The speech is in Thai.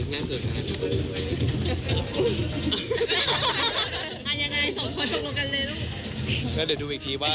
เธอดูเดี๋ยวอีกทีว่า